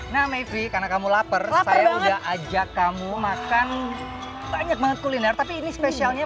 nah mayfrey karena kamu lapar saya udah ajak kamu makan banyak banget kuliner tapi ini spesialnya